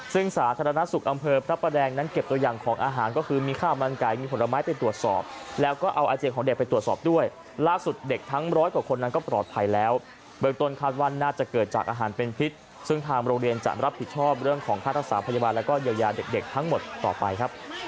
ซึ่งสาธารณสุขอำเภอพระประแดงนั้นเก็บตัวอย่างของอาหารก็คือมีข้าวมันไก่มีผลไม้ไปตรวจสอบแล้วก็เอาอาเจียนของเด็กไปตรวจสอบด้วยล่าสุดเด็กทั้งร้อยกว่าคนนั้นก็ปลอดภัยแล้วเบื้องต้นคาดว่าน่าจะเกิดจากอาหารเป็นพิษซึ่งทางโรงเรียนจะรับผิดชอบเรื่องของค่ารักษาพยาบาลแล้วก็เยียวยาเด็กทั้งหมดต่อไปครับ